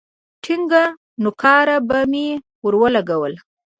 ټينگه نوکاره به مې ورولگوله.